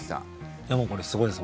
いや、もうこれ、すごいです。